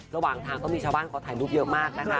ระหว่างทางก็มีชาวบ้านขอถ่ายรูปเยอะมากนะคะ